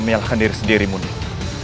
menyalahkan diri sendiri mundim